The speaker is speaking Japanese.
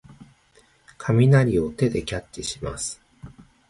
雷を手でキャッチします。